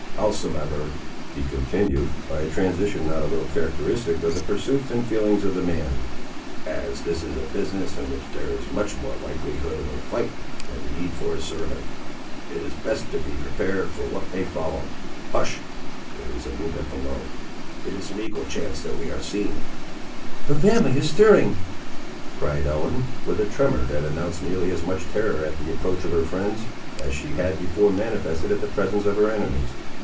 Howsomever," he continued, by a transition not a little characteristic of the pursuits and feelings of the man, "as this is a business in which there is much more likelihood of a fight than need for a sermon, it is best to be prepared for what may follow.—Hush! there is a movement below; it is an equal chance that we are seen." "The family is stirring," cried Ellen, with a tremor that announced nearly as much terror at the approach of her friends, as she had before manifested at the presence of her enemies.